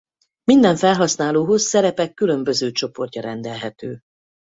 Minden felhasználóhoz szerepek különböző csoportja rendelhető.